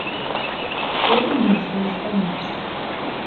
Потым ён збег з бальніцы.